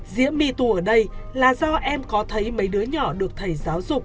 diễm my tù ở đây là do em có thấy mấy đứa nhỏ được thầy giáo dục